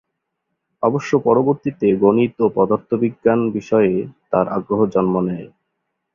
অবশ্য পরবর্তীতে গণিত ও পদার্থবিজ্ঞান বিষয়ে তার আগ্রহ জন্ম নেয়।